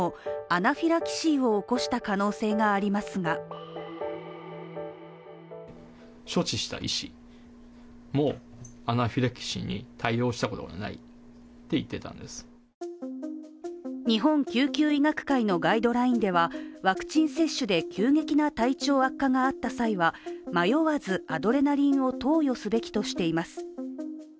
アナフィラキシーを起こした可能性がありますが日本救急医学会のガイドラインではワクチン接種で急激な体調悪化があった際は迷わずアドレナリンを投与すべきとしています